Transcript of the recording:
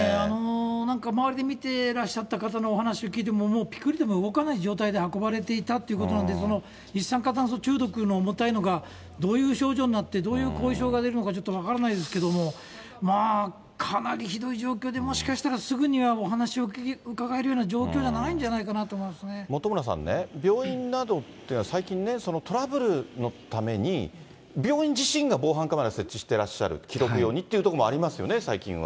なんか周りで見てらっしゃった方のお話を聞いても、もうぴくりとも動かない状態で運ばれていたということなんで、一酸化炭素中毒の重たいのがどういう症状になって、どういう後遺症が出るのか、ちょっと分からないですけれども、まあ、かなりひどい状況で、もしかしたらすぐにはお話を伺えるような状況じゃないんじゃない本村さんね、病院などっていうのは最近ね、トラブルのために病院自身が防犯カメラ設置していらっしゃる、記録用にっていう所もありますよね、最近は。